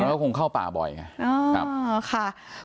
เดี๋ยวก็คงเข้าป่าบ่อยค่ะ